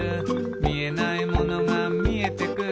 「みえないものがみえてくる」